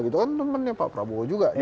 temennya pak prabowo juga